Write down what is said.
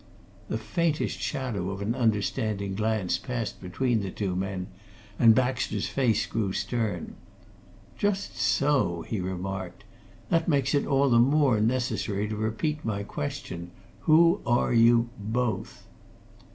The faintest shadow of an understanding glance passed between the two men, and Baxter's face grew stern. "Just so!" he remarked. "That makes it all the more necessary to repeat my question. Who are you both?"